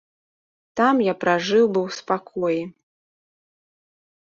Там я пражыў бы ў спакоі.